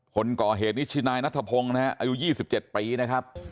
คนก่อเหตุนิชชินายนัทธพงศ์นะฮะอายุยี่สิบเจ็ดปีนะครับ